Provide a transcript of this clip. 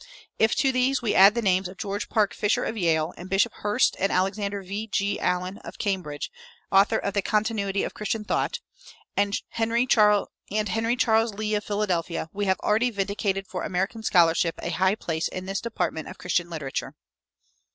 If to these we add the names of George Park Fisher, of Yale, and Bishop Hurst, and Alexander V. G. Allen, of Cambridge, author of "The Continuity of Christian Thought," and Henry Charles Lea, of Philadelphia, we have already vindicated for American scholarship a high place in this department of Christian literature.